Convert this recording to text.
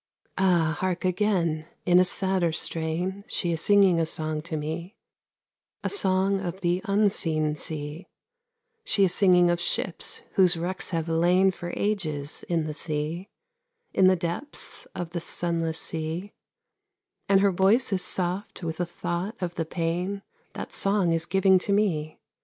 Ah, hark again! In a sadder strain She is singing a song to me A song of the unseen sea; She is singing of ships whose wrecks have lain For ages in the sea, In the depths of the sunless sea; And her voice is soft with a thought of the pain That song is giving to me.